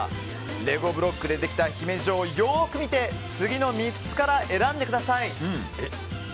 レゴブロックでできた姫路城をよく見て次の３つから選んでください。